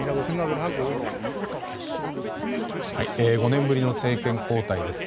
５年ぶりの政権交代です。